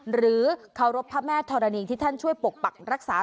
หรือเคารพพระแม่ธรณีที่ท่านช่วยปกปักรักษา